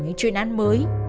những chuyên án mới